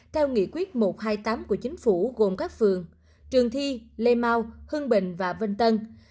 theo nghị quyết một trăm hai mươi tám của chính phủ gồm các phường trường thi lê mau hưng bình và vinh tân